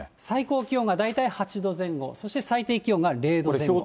最高気温が大体８度前後、そして、最低気温が０度前後。